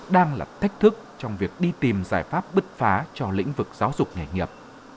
đang là thách thức trong việc đi tìm giải pháp bứt phá cho lĩnh vực giáo dục nghề nghiệp